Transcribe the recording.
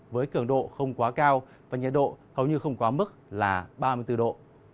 với cường độ không quá cao và nhiệt độ hầu như không quá mức là ba mươi bốn độ